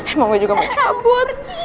emang gue juga mau cabut